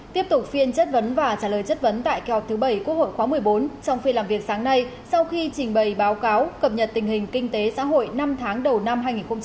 tiếp tục phiên chất vấn và trả lời chất vấn tại kỳ họp thứ bảy quốc hội khóa một mươi bốn trong phiên làm việc sáng nay sau khi trình bày báo cáo cập nhật tình hình kinh tế xã hội năm tháng đầu năm hai nghìn một mươi chín